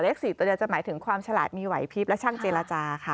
๔ตัวเดียวจะหมายถึงความฉลาดมีไหวพลิบและช่างเจรจาค่ะ